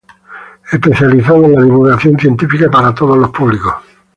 Especializada en la divulgación científica para todos los públicos.